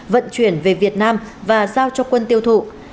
vận chuyển về việt nam và giao cho quân tiêu thụ